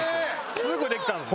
すぐできたんです。